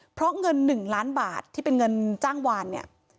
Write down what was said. เพราะเงิน๑ล้านบาทที่เป็นเงินจ้างวานเนี่ย